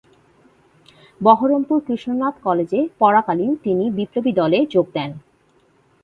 Baharampur Krishnath college পড়াকালীন তিনি বিপ্লবী দলে যোগ দেন।